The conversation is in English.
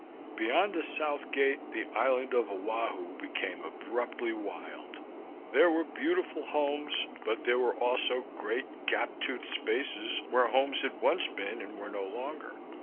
Beyond the South Gate the island of Oahu became abruptly wild. There were beautiful homes, but there were also great, gap toothed spaces where homes had once been and were no longer.